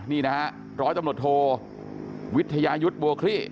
นี่นะฮะร้อยตำรวจโทวิทยายุทธ์บัวคลี่